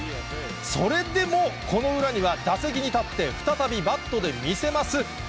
それでもこの裏には打席に立って、再びバットで見せます。